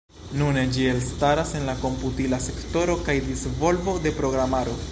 Nune, ĝi elstaras en la komputila sektoro kaj disvolvo de programaro.